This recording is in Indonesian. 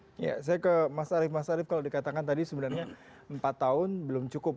oke saya ke mas arief mas arief kalau dikatakan tadi sebenarnya empat tahun belum cukup